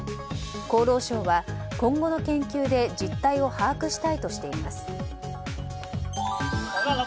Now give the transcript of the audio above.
厚労省は今後の研究で実態を把握したいとしています。